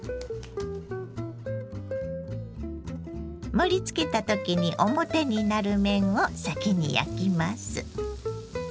盛りつけた時に表になる面を先に焼きます。